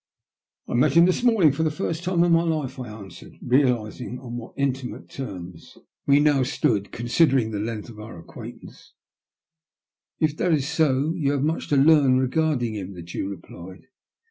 " I met him this morning for the first time in my life," I answered, realising on what intimate terms 86 THE LUST OF HATE. we now stood, considering the length of our acquain tance. ''If that is 80 you have much to learn regarding him," the Jew replied.